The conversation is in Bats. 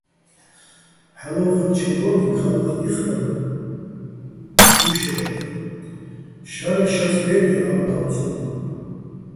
ჰ̦ალო̆ ვაჴვაჲლჩედო́ლიჼ ქა́ლიქ იხრალო̆ მუშებადაჼ, შარე შაწ ბე́დე ა́გ-ბა́ბო̆ ცო გურ.